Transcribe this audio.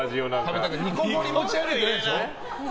煮こごり持ち歩いてないでしょ。